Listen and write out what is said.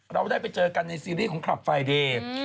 เราได้ไปเจอกันในซีรีส์ของคลับไฟเดย์